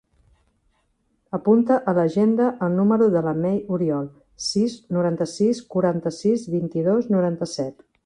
Apunta a l'agenda el número de la Mei Oriol: sis, noranta-sis, quaranta-sis, vint-i-dos, noranta-set.